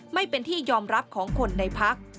ไม่เป็นที่ยอมรับของคนในพัก